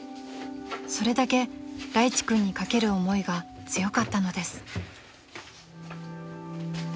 ［それだけらいち君にかける思いが強かったのです］